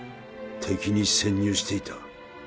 敵に潜入していた